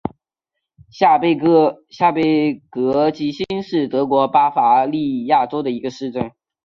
下贝格基兴是德国巴伐利亚州的一个市镇。